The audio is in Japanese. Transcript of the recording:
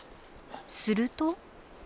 すると。